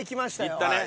行ったね。